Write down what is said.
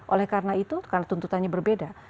oleh karena itu karena tuntutannya berbeda